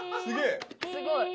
すごい。